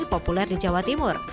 populer di jawa timur